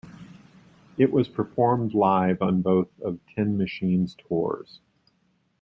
It was performed live on both of Tin Machine's tours.